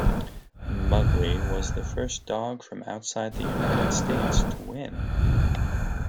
Mugly was the first dog from outside the United States to win.